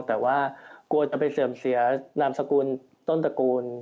แต่ว่ากลัวจะไปเสื่อมเสียนามสกุลต้นตระกูล